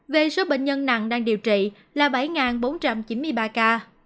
về số bệnh nhân nặng đang điều trị là bảy bốn trăm chín mươi ba ca